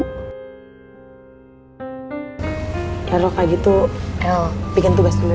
kalau begitu el